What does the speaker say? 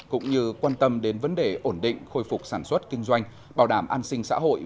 cũng như quan tâm đến vấn đề ổn định khôi phục sản xuất kinh doanh bảo đảm an sinh xã hội